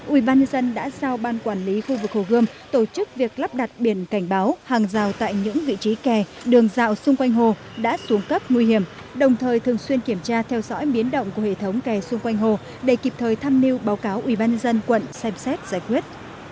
ubnd đã giao ban quản lý khu vực hồ gươm tổ chức việc lắp đặt biển cảnh báo hàng rào tại những vị trí kè đường dạo xung quanh hồ đã xuống cấp nguy hiểm đồng thời thường xuyên kiểm tra theo dõi biến động của hệ thống kè xung quanh hồ để kịp thời thăm mưu báo cáo ubnd quận xem xét giải quyết